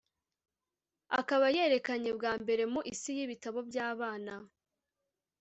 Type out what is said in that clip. akaba yerekanye bwa mbere mu isi yibitabo byabana